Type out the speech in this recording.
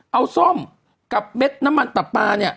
เอาส้มกับเม็ดน้ำมันตับปลาเนี่ย